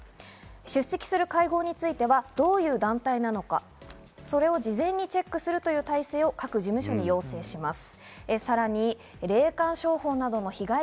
出席する会合についてはどういう団体なのか事前にチェックするということを各事務所に要請します。